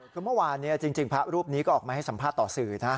คือเมื่อวานจริงพระรูปนี้ก็ออกมาให้สัมภาษณ์ต่อสื่อนะ